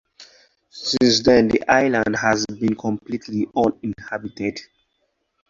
Since then, the island has been completely uninhabited.